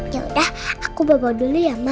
ya udah aku bawa bawa dulu ya ma